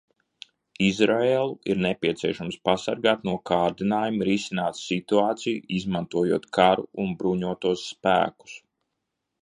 Izraēlu ir nepieciešams pasargāt no kārdinājuma risināt situāciju, izmantojot karu un bruņotos spēkus.